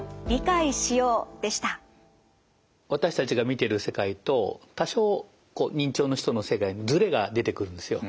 私たちが見てる世界と多少認知症の人の世界ズレが出てくるんですよ。